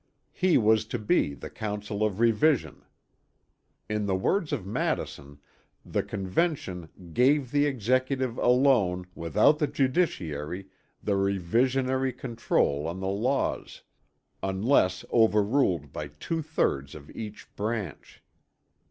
He was to be the Council of Revision. In the words of Madison, the Convention 'gave the Executive alone, without the judiciary, the revisionary control on the laws, unless overruled by two thirds of each branch.'"